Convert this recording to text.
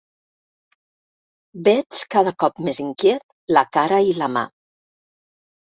Veig, cada cop més inquiet, la cara i la mà.